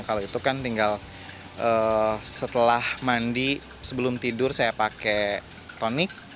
kalau itu kan tinggal setelah mandi sebelum tidur saya pakai tonic